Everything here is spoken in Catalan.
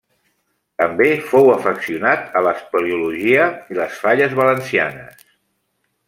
També fou afeccionat a l'espeleologia, i les falles valencianes.